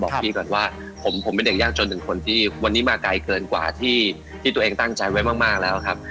พี่ก่อนว่าผมเป็นเด็กยากจนถึงคนที่วันนี้มาไกลเกินกว่าที่ตัวเองตั้งใจไว้มากแล้วครับ